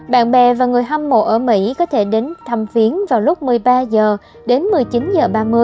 bạn bè và người hâm mộ ở mỹ có thể đến thăm phiến vào lúc một mươi ba h đến một mươi chín h ba mươi